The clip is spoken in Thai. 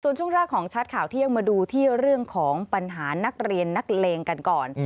ส่วนช่วงแรกของชัดข่าวเที่ยงมาดูที่เรื่องของปัญหานักเรียนนักเลงกันก่อน